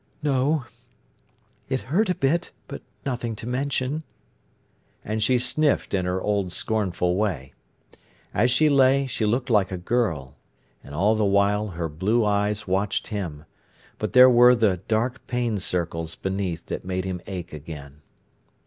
"No. It hurt a bit, but nothing to mention." And she sniffed in her old scornful way. As she lay she looked like a girl. And all the while her blue eyes watched him. But there were the dark pain circles beneath that made him ache again.